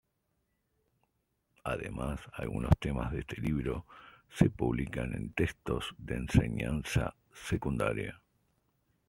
Además algunos temas de este libro se publican en textos de enseñanza secundaría.